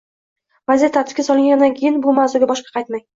Vaziyat tartibga solingandan keyin bu mavzuga boshqa qaytmang.